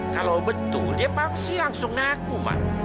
kalau betul dia paksa langsung ngaku ma